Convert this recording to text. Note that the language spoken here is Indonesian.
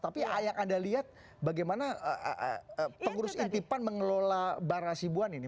tapi ayak anda lihat bagaimana pengurus inti pan mengelola bara sibuan ini